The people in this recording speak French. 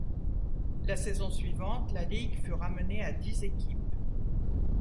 La saison suivante, la ligue fut ramenée à dix équipes.